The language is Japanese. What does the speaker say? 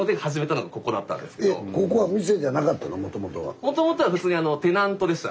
もともとは普通にテナントでした。